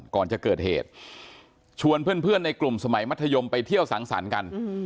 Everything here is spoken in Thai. ก่อนจะเกิดเหตุชวนเพื่อนในกลุ่มสมัยมัธยมไปเที่ยวสังสรรค์กัน